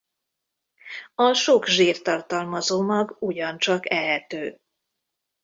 A sok zsírt tartalmazó mag ugyancsak ehető.